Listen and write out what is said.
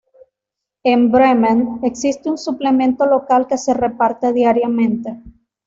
En Bremen existe un suplemento local que se reparte diariamente.